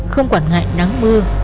không quản ngại nắng mưa